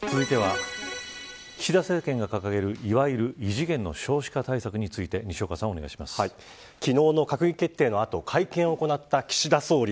続いては岸田政権が掲げるいわゆる異次元の少子化対策について昨日の閣議決定の後会見を行った岸田総理。